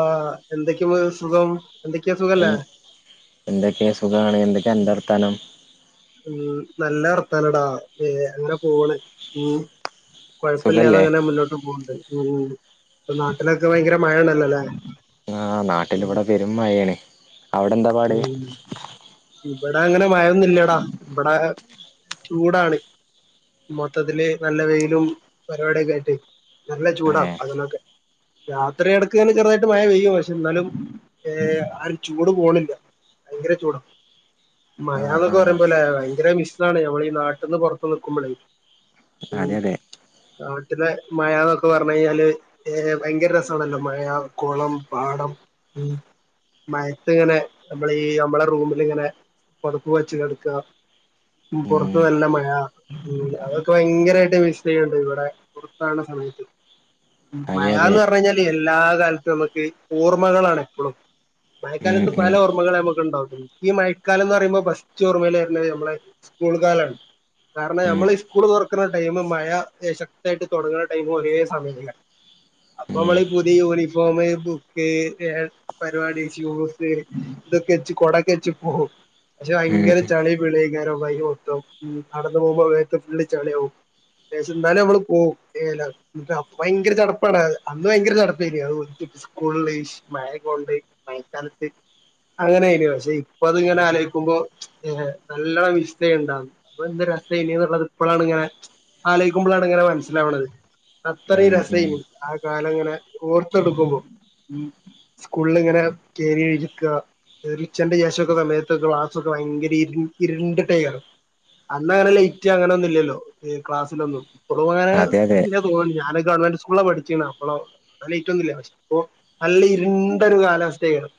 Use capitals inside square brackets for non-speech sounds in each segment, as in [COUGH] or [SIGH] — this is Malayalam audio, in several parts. ആഹ എന്തൊക്കെയ സുഖം എന്തൊക്കെയാ എ സുഖല്ലേ എന്തൊക്കെയ സുഖമാണ് എന്തൊക്കെ അന്തർഥാനം ഉ നല്ല വർത്താനടാ ഏ അങ്ങെ പോണ് ഉ കുഴപ്പമില്ലാതെ സുഖല്ലേ അങ്ങനെ മുന്നോട്ട് പോകണ്ട് ഉം ഇപ്പൊ നാട്ടിലൊക്കെ ഭയങ്കര മഴ ഉണ്ടല്ലോല്ലേ ആ് നാട്ടിലിവിടെ പെരും മഴയാണ് അവിടെ എന്താ പാടെ ഉം ഇവിടെ അങ്ങനെ മഴൊന്നുംല്ലടാ ഇവിടെ ചൂടാണ് മൊത്തത്തില് നല്ല വെയിലും പരിപാടിയൊക്കെ ആയിട്ട് നല്ല ചൂടാ ഏഹ് അതിനൊക്കെ രാത്രി ഇടക്കെ ചെറുതായിട്ട് മഴ പെയ്യും പക്ഷെ എന്നാലും ് ആും ചൂട് പോണില്ല ഭയങ്കര ചൂട ആഹ് മയന്നൊക്കെ ആഹ് പറയുമ്പോല്ലേ ഭയങ്കര മിശാണ് ഞമ്മൾ ഈ നാട്ടിൽന്ന് പുറത്തു നിക്കുമ്പോളേ ഉം നാലരെ നാട്ടിലെ മഴന്നൊക്കെ പറഞ്ഞ കഴിഞ്ഞാല് ഏ ഭയങ്കര രസമാണല്ലോ മഴ കുളം പാടം ഉ മയത്തി ഇങ്ങനെ നമ്മള ഈ നമ്മള റൂമിലിങ്ങനെ പുറപ്പ വച്ച് കടക്കുക പുറത്ത് ഉം നല്ല മഴ അതൊക്കെ ഭയങ്കരമായിട്ട് മിസ് ചെയ്യണ്ട ഇവിടെ പുറത്തണണ സമയത്ത് അതെ അതെ മഴന്ന് പറഞ്ഞ കഴിഞ്ഞാല് എല്ലാ കാലത്തും നമുക്ക് ഓർമ്മകളാണ് എപ്പോഴും ഉം മഴക്കാലത്ത് ഉം പല ഓർമ്മകള നമുക്കുണ്ടാവകും എനി ഈ മഴക്കാലം എന്ന് പറയുമ്പോ ബസ്റ്റ് ഓർമ്മൽ വരുന്നത് നമ്മളെ സ്കൂൾ കാലമാണ് കാരണം ഉം നമ്മൾ ഈ സ്കൂള് തുറക്കുന്ന ടൈം മഴശക്തായിട്ട് തുടങ്ങുന്ന ടൈമ ഒരേ സമയത്താണ് അപ്പൊ ഉം നമ്മൾഈ പുതിയ യൂണിഫോം ബുക്ക് പരിപാടി ഷൂസ് ഇതൊക്കെ വെച്ച് കൊടൊക്കെ വെച്ച് പോവും പക്ഷെ ഉം ഭയങ്കര ചളി പിളയിക്കാരോ ഭയങ്കര മൊത്തം നടന്നു പോകുമ്പോള്ളി ചളി ആകവുംം എന്നാലും നമ്മള് പോവും ഭയങ്കര ചടപ്പാണ് അന്ന് ഭയങ്കര ചടപ്പായി അത് സ്കൂള മയയക്ക അങ്ങനൊയിന പക്ഷെ ഇപ്പ അത് ഇങ്ങനെ ആലോയിക്കുമ്പോ ഏ നല്ല വിത ഉണ്ടാവുന്നു അപ്പൊ എന്ത് രസമായിന എന്നുള്ളത് ഇപ്പോഴാണ് ഇങ്ങനെ ആലോയിക്കുമ്പോളാണ് ഇങ്ങനെ മനസ്സിലാവണത് അത്രയും ഉം ഉം രസമായി ആ കാലം ഇങ്ങനെ ഓർത്തെടുക്കുമ്പോ ഉ സ്കൂളിങ്ങനെ കറിഴിക്കുക റിച്ചന്റെ ശേഷമൊക്കെ സമയത്ത് ക്ലാസ് ഒക്കെ ഭയങ്കര ഇരുണ്ടിലാണ് അന്ന് അങ്ങനെ ലേറ്റ് അങ്ങനെ ഒന്നും ഇല്ലല്ലോ ക്ലാസ്സിലൊന്നും അളും അങ്ങനെ അതെ അതെ ഇന്നെ തോന്നുന്നു ഞാൻ ഗവൺമെന്റ് സ്കൂള പഠിച്ച അപ്പോള നല്ല ഏറ്റൊന്നില്ല പക്ഷെ അപ്പോ നല്ല ഇരുണ്ടൊ ഒരു കാലാവസ്ഥയരുന്നു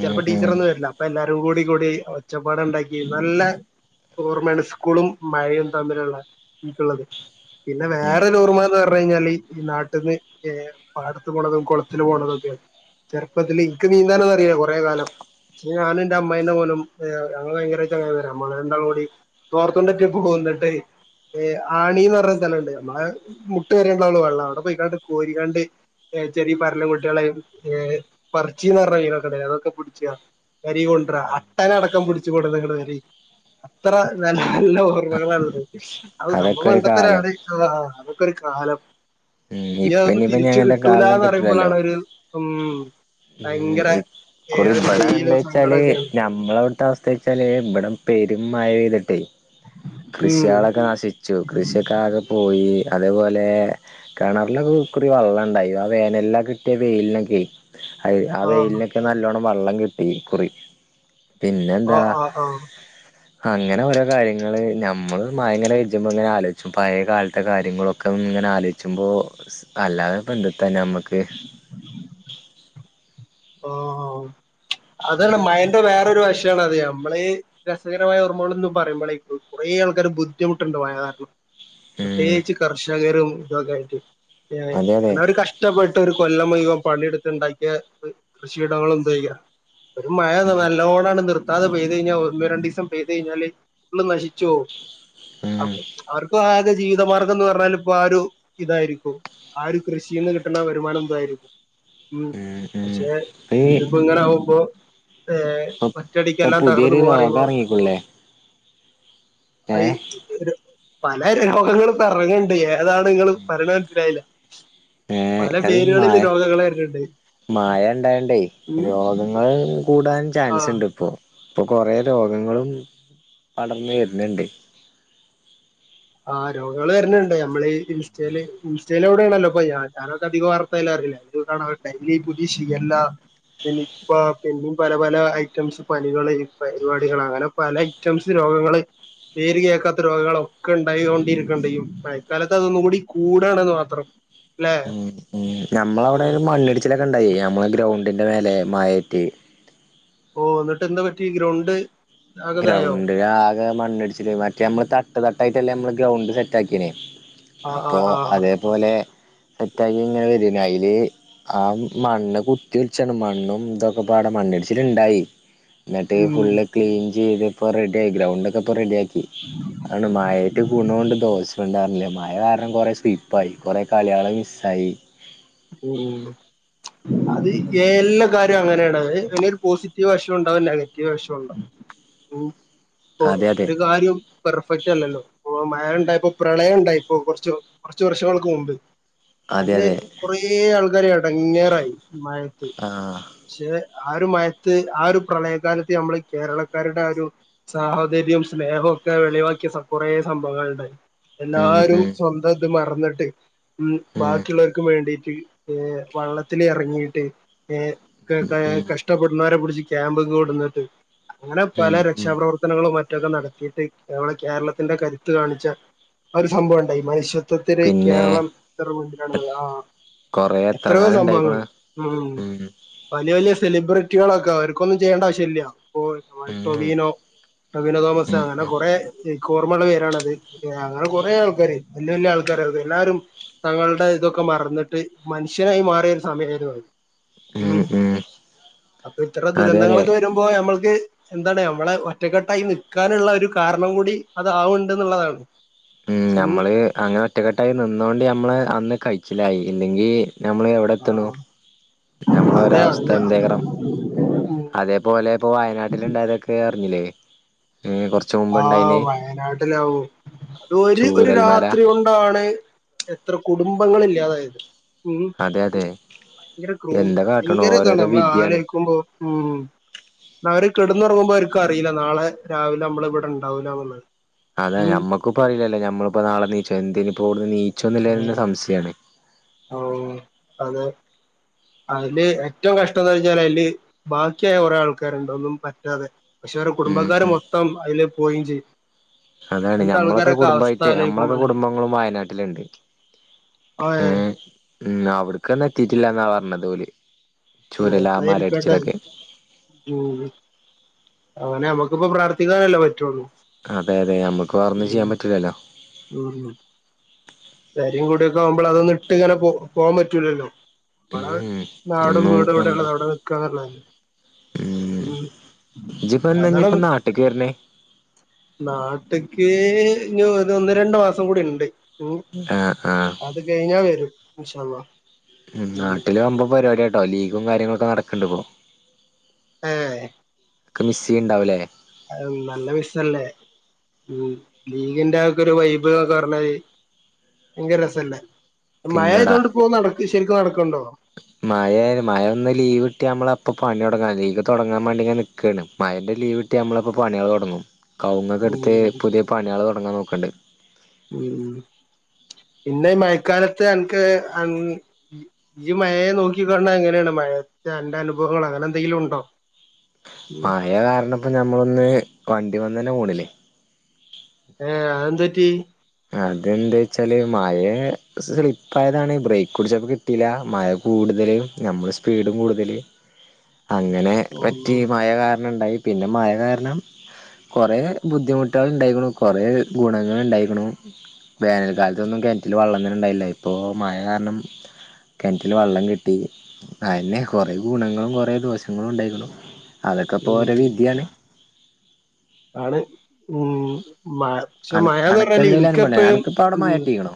ഉം ഉം ടീച്ചറൊന്നും വരില്ല അപ്പൊ എല്ലാരും കൂടി കൂടി ഒച്ചപ്പാടം ഉണ്ടാക്കി നല്ല ർമ സ്കൂളും മഴയും തമ്മിലുള്ള എനിക്കുള്ളത് പിന്നെ ഉം വേറൊരു ഓർമ്മന്ന് പറഞ്ഞു കഴിഞ്ഞാല് ഈ നാട്ടിൽന്ന് പാടത്ത് പോണതും കുളത്തിൽ പോണതൊക്കെയാണ് ചെറുപ്പത്തിൽനി നീന്താനന്ന അറിയില്ല കൊറെേ കാലം പക്ഷെ ഞാനും എന്റെ അമ്മമായിന്റെ മലും അങ്ങ ഭയങ്കരങ്ങ വം നമ്മളെ എയും കൂടി തോർത്തോണ്ടിട്ട് ഇപ്പ പോകന്നിട്ട് ആണിന്ന് പറഞ്ഞ സ്ഥലംണ്ട് നമ്മളെ മുട്ട് കരേണ്ടാള്ളു വെള്ളം അവിടെ പോയിക്കണ്ട് കോരിക്കാണ്ട് ചെറിയ പറരലും കുട്ടികളെയ കൊച്ചീന്ന് പറഞ്ഞ കനക്കട അതൊക്കെ പിടിച്ച വരി കൊണ്ട അട്ടന അടക്കം പിടിച്ചു കൊട നിങ്ങള് വരി അത്ര നല്ല നല്ല ഓർമ്മകളാ ഉള്ളത് അത് സംഭവം അതൊക്കെ ഒരു പണ്ടത്ത കാലം ഒരാള് ആ അതൊക്കെ കാലം ഉം ഇനി ഇപ്പ അതൊന്നും ഇനിയിപ്പ ഇനി തിരിച്ച് അങ്ങനത്തെ കാലൊന്നും കിട്ടൂലാന്ന് കിട്ടൂലല്ലോ പറയുമ്പോളാണ് ഒരു ഉം ഉം ഭയങ്കര ഇക്കുറി ഒരു ഇവിടെ എന്താ ഫീലും വച്ചാല് സങ്കടൊക്കെയാണ് നമ്മള അവിത്തെ അവസ്ഥ വെച്ചാല് ഇവിടെ പെരും മഴയാ [UNINTELLIGIBLE] ഉം കൃഷികളൊക്കെ നശിച്ചു കൃഷിയൊക്കെ ആകെ പോയി അതേപോലെ കിണറിലൊക്കെ ഇക്കുറി വെള്ളം ഇണ്ടായി ആ വേനെല്ലാം കിട്ടിയ വെയിലിനൊക്കെയെ ആ ആഹ് വെയിലിനൊക്കെ നല്ലോണം വെള്ളം കിട്ടി ഇക്കുറി പിന്നെന്താ ആഹ് ആഹ് ആഹ് അങ്ങനെ ഓരോ കാര്യങ്ങള് ഞമ്മള് മയങ്ങനെ ഇരിച്ചുമ്പോ ഇങ്ങനെ ആലോചിച്ചും പഴയ കാലത്തെ കാര്യങ്ങളൊക്കെ ഇങ്ങനെ ആലോചിച്ചു വുമ്പോ അല്ലാതെ ഇപ്പൊ എന്തുട്ടാ തന്നെ ഞമ്മക്ക് ആ ആ അതാണ് മയന്റ് വേറെ ഒരു വശാണ് അത് നമ്മള് രസകരമായ ഓർമ്മകളെന്ന് പറയുമ്പോളേക്കു കുറേ ആൾക്കാർ ബുദ്ധിമുട്ടുണ്ട് വയനാട്ടും ഉം പ്രത്യേകിച്ച് കർഷകരും ഇതൊക്കെ ആയിട്ട് അതെ അതെ അന്നവര് കഷ്ടപ്പെട്ട് ഒരു കൊല്ലം മുഴുവൻ പണിയെടുത്ത് ഉണ്ടാക്കിയ കൃഷിയിടങ്ങൾ എന്താ ചെയ്യുക ഒരു മഴ ഉം നല്ലോണം അങ്ങട്ട് നിർത്താതെ പെയ്ത് കഴിഞ്ഞാൽ ഒന്ന് രണ്ടിവസം പെയിത് കഴിഞ്ഞാല് ഫുള്ളും നശി ച്ച് പോവും ഉം അപ്പൊ അവർക്കു ആ ജീവിതമാർഗം എന്ന് പറഞ്ഞാൽ ഇപ്പൊ ആ ഒരു ഇതായിരിക്കും, ആ ഒരു കൃഷിന്ന് കിട്ടുന്ന വരുമാനം ഇതായിരിക്കും. ഉം ഉം പക്ഷെ ഈ ഇതിപ്പം ഇങ്ങനെ ആവുമ്പോ ഏ ഇപ്പൊ ഒറ്റയടിക്കെല്ലാം തകർന്നു പുതിയൊരു പോവാന്ന് രോഗം പറയുമ്പോ ഇറങ്ങിക്കുല്ലേ ഏ ആയി ഇവര് പല രോഗങ്ങള് പിറകേയുണ്ട് ഏതാണ് നിങ്ങള് പറയണ മനസ്സിലായില്ല, ഏ പല പേരുകളില് രോഗങ്ങള് വരണുണ്ട്. മായം ഉണ്ടായേണ്ടേ രോഗങ്ങള് കൂ ചാൻസ് ആഹ് ഉണ്ട് ഇപ്പോ ഇപ്പൊ കൊറേ രോഗങ്ങളും പടർന്ന് വരുന്നുണ്ട് ആ രോഗങ്ങള് വരണുണ്ട്, നമ്മള് ഇൻസ്റ്റയില് ഇൻസ്റ്റയിലൂടാണല്ലോ അപ്പം അതിനാത്ത് അധികം ആർക്കും പിന്നെ ഇപ്പ പുതിയ ഷിഗല്ല, നിപ്പ, പിന്നെ പല പല ഐറ്റംസ് പനികള് പരിപാടികൾ അങ്ങനെ പല ഐറ്റംസ് രോഗങ്ങള് പേര് കേൾക്കാത്ത രോഗങ്ങളോ ഒക്കെയൊണ്ടാണ്ടിരിക്കൊണ്ടിയും, മായക്കാലത്ത് അതൊന്നുകൂടി കൂടണെന്ന് മാത്രം ല്ലെ നമ്മളടവിടെ ഒരു മണ്ണിടിച്ചിലൊക്കെണ്ടായി, നമ്മ ഗ്രൗ തിൻ്റെ മേലെ മയേറ്റി ഓ എന്നിട്ട് എന്താ പറ്റി? ഗ്രൗണ്ട് ആകതായോ ഗ്രൗണ്ട് ആകെ മണ്ണിടിച്ചില്, മറ്റേ നമ്മള് തട്ട് തട്ടായിട്ടല്ലേ നമ്മ ഗ്രൗണ്ട് സെറ്റ് ആക്കിയനേ ആഹ് അപ്പോ ആഹ് ആഹ് അതേപോലെ സെറ്റാക്കി ഇങ്ങനെ വരേനി അയില് ആ മണ്ണ് കുത്തി ഒലിച്ചാണ് മണ്ണും ഇതൊക്കെ പാടെ മണ്ണിടിച്ചിലുണ്ടായി. എന്നിട്ട് ഉം ഫുള് ക്ലീൻ ഇത് പ്പോ റെഡി ആയി, ഗ്രൗണ്ട് ഒക്കെ പ്പൊ റെഡിയാ ക്കി ആണ് മഴയ്ക്ക് ഗുണോണ്ട് ദോഷോണ്ട്. മഴ കാരണം കൊറെ സ്ലിപ്പ് ആയി, കുറേ കളികള് മിസ്സായി ഉം, അത് എല്ലാ കാര്യവും അങ്ങനെയാണ്, അതിനൊരു പോസിറ്റീവ് വശവും നെഗറ്റീവ് വശവും ഉണ്ടാവും ഉം പ്പൊ അതെ അതെ ഒരു കാര്യവും പെർഫെക്റ്റ് അല്ലല്ലോ അ മഴയുണ്ടായപ്പോ പ്രളയം ഉണ്ടായി, ഇപ്പൊ കൊറച്ച്, കൊറച്ച് വർഷങ്ങൾക്ക് മുമ്പ് അതെ അന്ന് അതെ കൊറേ ആൾക്കാര് എടങ്ങേറായി മഴേത്ത് ആഹ് ആ, ഒരു മയത്ത് ആ ഒരു പ്രളയകാലത്ത് നമ്മള് കേരളക്കാരുടെ ആ ഒരു സാഹോദര്യം, സ്നേഹവും ഒക്കെ വെളിവാക്കിയ കൊറേ സംഭവങ്ങങ്ങളുണ്ടായി. ഉം എല്ലാരും ഉം സ്വന്തം ത് മറന്ന് ന്നട്ട് ഉം ബാക്കിയുള്ളർ വേണ്ടീട്ട് വള്ളത്തില് എറങ്ങീട്ട് ഏ ഉം കഷ്ടപ്പെടുന്നവരെ പിടി ക്യാമ്പൊക്ക് കൊടന്നിട്ട് അങ്ങനെ ഉം പല ഉം രക്ഷാപ്രവർത്തനങ്ങളും റ്റെ നടത്തിയിട്ട് കേരളത്തിന്റെ കരുത്ത് കാണിച്ച ഒരു സംഭവം ഉണ്ടായി മനുഷ്യ മൊത്തത്തില് പിന്നെ കേരളം ഇർമണ്ടിലാണ് കൊറെ എത്രയോ എത്രങ്ങാനും സംഭവങ്ങൾ ഉണ്ടായിക്ക്ണ് ഉം വലിയ വലിയ സെലിബ്രി കുട്ടികളൊക്കെ അവർക്കൊന്നും ചെയ്യണ്ടവശ്യല്ല ഉം ടൊവിനോ ടൊവിനോ തോമസ് ഉം അങ്ങനെ ഉം കൊറെ കോർമയുളള പേരാണത് അങ്ങനെ കൊറേ ആൾക്കാര് വലയ വലിയ ആൾക്കാരായിരുന്നു എല്ലാരും തങ്ങളുടെ ഇതൊക്കെ മറന്നിട്ട് മനുഷ്യനായി മാറി സമയാര്ന്നത് ഉം അപ്പൊ ഇത്ര അതെ അതെ ദുരന്തങ്ങളൊക്കെ വരുമ്പോ നമ്മൾ എന്താണ് നമ്മളെ ഒറ്റക്കെട്ടായി നൽക്കാനുള്ള ഒരു കാരണം കൂടി അത് ആവണണ്ട് എന്നുള്ളതാണ് ഉം നമ്മള് അങ്ങനെ ഒറ്റക്കെട്ടായി നിന്നോണ്ട് നമ്മള് അന്ന് കഴ ലായി അല്ലെങ്കിൽ ഞമ്മൾ എവിടെ എത്തണൂ ആഹ് നമ്മളൊര അതെ അവസ്ഥ അതെ എന്തക്കണം ഉം അതേപോലെ ഇപ്പൊ വയനാട്ടിൽ ഇണ്ടായതൊക്കെ അറിഞ്ഞില്ലേ ഏഹ് കൊറച്ച് മുമ്പ് ആ ഇണ്ടായിന് വയനാട്ടിലാവും ഒരു ഒരു ചൂരൽമല രാത്രി കൊണ്ടാണ് എത്ര കുടുംബങ്ങളില്ലാതായത് ഉം അതെ അതെ ഭയങ്കര ക്രൂ എന്താ കാട്ട്ണു ഭയങ്കര ഇതാണ് ഓരോരോ നമ്മള വിധിയാണ് ആലോയിക്കുമ്പോ ഉം അവരെ കിടന്നുറങ്ങുമ്പോൾ അവർക്ക് അറിയില്ല നാളെ രാവിലെ നമ്മള് ഇവിടെ ഉണ്ടാവൂലാന്നുള്ളത് അതാ നമ്മക്കിപ്പ അയില്ലേ നമ്മളിപ്പോ നാളെ നീച്ചോ എന്തിനിപ്പോ നീ മച്ചോന്നില്ല എന്നന്ന് സംശയാണ് ഓ അതെ അതില് ഏറ്റവും കഷ്ടം എന്ന് പറഞ്ഞാൽ അതില് ബാക്കിയായ കുറെേ ആൾക്കാരുണ്ട് ഒന്നും പറ്റാതെ പക്ഷെ അവരു ഉം കുടുംബക്കാര ഉം മൊത്തം അതില് പോയിഞ്ച് അതാണ് ഞമ്മളൊക്കെ കുടുംബമായിട്ട് നമ്മളൊക്കെ ആലോചിക്കുമ്പോള് കുടുംബങ്ങളും വയനാട്ടിലുണ്ട് ആഹ് ഏ ഉം അവിടക്കന്നെ എത്തിയിട്ടില്ല എന്നാ പറഞ്ഞതു ഓല് ചുരലാ ഉത്താരിക്കട്ടെ മലയിടിച്ചിലൊക്കെ ഉം അനെ നമ്മക്കിപ്പ പ്രാർത്ഥിക്കാനല്ലേ പറ്റുള്ളൂ അതെ അതെ നമ്മുക്ക് വേറൊന്നും ഉം ചെയ്യാൻ പറ്റൂലല്ലോ കാര്യം കൂടിയൊക്കെ ആവുമ്പോൾ അതൊന്നും ഇട്ട് ഇങ്ങനെ പോവാൻ പറ്റൂലല്ലോ നമ്മള ഉം നാടും ഒന്നും വീടും ഇവിടെള്ള നമുക്ക് അവിടെ നിക്കാന്നുള്ളേ ഉം ഇജ്ജിപ്പോ എന്നാ അതാണ് ഇനിയിപ്പോ നാട്ടിക്ക് വരണേ നാട്ട്ക്ക് ഒന്ന് രണ്ടു മാസം കൂടി ഇണ്ട് ഉം ആഹ് ആഹ് അത് കഴിഞ്ഞാൽ വരും [UNINTELLIGIBLE] ഉം നാട്ടില് വമ്പൻ പരിപാടിയാട്ടോ ലീഗും കാര്യങ്ങളൊക്കെ നടക്കണ്ടണ്ട് ഇപ്പോ ഏ ഒക്കെ മിസ് ചെയ്യണണ്ടാവൂല്ലേ അ നല്ല മിസ്സല്ലേ ഉ ലീഗിന്റെ ആക്ക ഒരു വൈബ്ക്കെ പറഞ്ഞാല് ഭയങ്കര രസല്ലേ മഴ പിന്നെടാ ഇതുകൊണ്ട് പോക നടക്ക ശരിക്കും നടക്കണ്ടോ മഴ മഴ ഒന്ന് ലീവ് കട്ടി നമ്മള അപ്പ പണിയോ ലീവ് തുടങ്ങാൻ വേണ്ടി നിക്കക്കയാണ് മയൻന്റെ ലീവ് ഇട്ടി നമ്മളപ്പോ പണികൾ തുടങ്ങും കവുങ്ങക്കെടുത്ത് ഉം പുതിയ പണികള് തു തുടങ്ങാൻ നോക്കണ്ട് ഉം പിന്നെ ഈ മഴക്കാലത്ത് അനക്ക് ഈ മഴയെ നോക്കിക്ക എങ്ങനെയാണ് മഴ എന്റെ അനുഭവങ്ങൾ അങ്ങനെ എന്തെങ്കിലും ഉണ്ടോ ഉം മഴ കാരണപ്പോ നഞമ്മളൊന്ന് വണ്ടി വന്ന തന മോണിലേ ത്തി അതെന്താ വെച്ചാല് മഴ സ്ലിപ്പായതാണ് ബ്രേക്ക് കുടിച്ചപ്പോൾ കിട്ടിയില്ല മഴ കൂടുതല് നമ്മൾ സ്പീഡും കൂടുതല് അങ്ങനെ ഉം പറ്റി മഴ കാരണം ഇണ്ടായി പിന്നെ മഴ കാരണം കുറേ ബുദ്ധിമുട്ടുകൾ ഉണ്ടായിരിക്കണു കുറേ ഗുണങ്ങ ഉണ്ടായിരിക്കണു വേനൽക്കാലത്തൊന്നും കിണറ്റില് വെള്ളം തന്നെ ഉണ്ടായില്ല ഇപ്പോൾ മഴ കാരണം കിണറ്റില് വെള്ളം കിട്ടി അന്നെ കുറേ ഗുണങ്ങളും കുറേ ദോഷങ്ങളും ഉണ്ടായിരുന്നു അതൊക്കെപ്പോ ഓരോ ഉം വിദ്യയാണ് ആണ് ഉം മ പക്ഷെ അനക്ക് മഴന്ന് പറഞ്ഞാല് അനക്കെന്തേലും എനിക്ക അനുഭവണ്ടോ എപ്പഴും അനക്കിപ്പോ അവിടെ ഉ മഴ കിട്ടീക്കണോ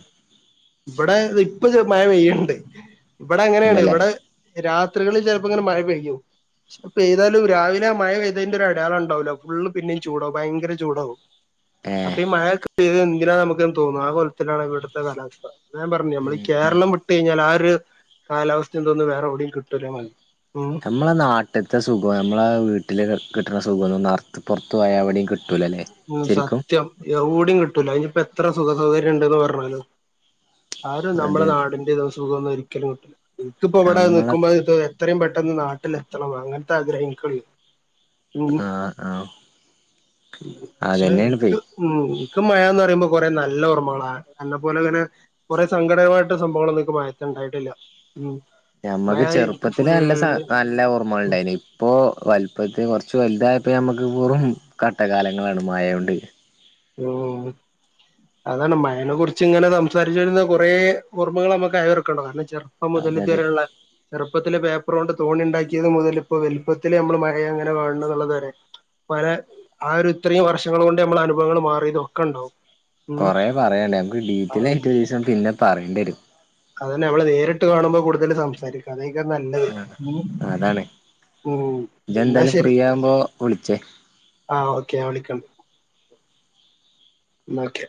ഇവിടെ ഇ ഇപ്പൊ മഴ വെയ്യണ്ട് ഇവിടെ അങ്ങനെയാണ് ഉണ്ടല്ലേ ഇവിടെ രാത്രികളിൽ ചിലപ്പോ ഇങ്ങനെ മഴ പെയ്യും അപ്പൊ ഏതാലും രാവിലെ ആ മഴ പെയ്തതിന്റെ ഒരു അടയാളം ഉണ്ടാവലോ ഫുള്ള് പിന്നേും ചൂടാവും ഭയങ്കര ചൂടാവും ഏഹ് അപ്പ മഴയൊക്കെ പെയ് ഇങ്ങനെ നമുക്കന്ന് തോന്നും ആ കോലത്തിലാണ് ഇവിടുത്തെ കലാവസ്ഥ ഞാൻ പറഞ്ഞു നമ്മള ഈ ഉം ഉം കേരളം വിട്ട് കഴിഞ്ഞാൽ ആ ഒരു കാലാവസ്ഥയ എന്തോന്ന് വേറെ എവിടെൽ കിട്ടുല്ല ചെങ്ങായി നമ്മളെ നാട്ടിലത്തെ സുഖം നമ്മളെ വീട്ടില് കിട്ടണ സുഖ നിറുത്ത് പുറത്ത് പോയ അവിടെയും കിട്ടുല്ല ഉ സത്യം ഓടും കിട്ടൂല അനിപ്പോ എത്ര സുഖ സൗകര്യം ഉണ്ടന്ന് പറഞ്ഞാലും ോ ആര അതെ നമ്മെ അതെ നാടിന്റെ ദിവം സുക ഒന്ന ഒരിക്കലും കിട്ടില്ല എനിക്കിപ്പ ഇവിടെ നമ്മളെ നിൽക്കുമ്പോ എത്രയും പെട്ടെന്ന് നാട്ട ട്ടിലെത്തണം അങ്ങനത്തെ ആഗ്രഹം എനിക്കുള്ളൂ ആ ആ പക്ഷെ ഇക്ക് ഉ ഇക്ക മഴന്ന് പറയുമ്പ കൊറെ നല്ല ഓർമ്മകളാണ് എന്നന്ന പോലെ അങ്ങനെ കൊറെേ സങ്കടകമായിട്ടുള്ള സംഭവങ്ങളന്നക്ക് മയ ഉണ്ടായിട്ടില്ല ഉ നമ്മക്ക് ചെറുപ്പത്തിൽ നല്ല നല്ല ഓർമ്മകൾ ഉണ്ടായിരുന്നു ഇപ്പൊ വലപ്പത്തി കുറച്ച് വലുതായപ്പോ നമുക്ക് വെറും കട്ട കാലങ്ങളാണ് മായ കൊണ്ട് ഉ അതാണ് മയനെ കുറിച്ച് ഇങ്ങനെ സംസാരിച്ചു വരുന്ന കൊറെ ഓർമ്മകൾ നമ്മുക്ക്യവറക്കണ്ടോ കാരണം ചെറുപ്പ അതെ അതെ മുതലധരള്ള ചെറുപ്പത്തിലെ പേപ്പ ണ്ട് തോണി ഉണ്ടാക്കിയത് മുതൽ ഇപ്പോ വലുപ്പത്തില് നമ്മൾ മഴ അങ്ങനെ വേുള്ളത് വരെ പല ആ ഒരു ഇത്രയും വർഷങ്ങൾ കൊണ്ട് നമ്മള അനു വിങ്ങൾ മാറിയതും ഒക്കെ ഉണ്ടാവും കുറെ പറയണ്ട് നമുക്ക് ഡീറ്റെയിൽ ആയിട്ട് ഒര് ദിവസം പിന്നെ പറയേണ്ടി വരും അതന്നെ നമ്മള് നേരിട്ട് കാണുമ്പോൾ കൂടുതൽ സംസാരി അതെക്കാരം നല്ലത് ഉം അതാണ് ഉം ഇജ്ജ് എന്നാ എന്തായാലും ശരി ഫ്രീ ആകുമ്പോ വിളിച്ചേ ആഹ് ഓക്കെ ഞാൻ വിളിക്കണ്ട് ന്നക്കെ